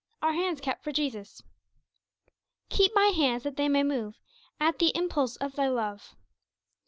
Our Hands Kept for Jesus. 'Keep my hands, that they may move _At the impulse of Thy love.'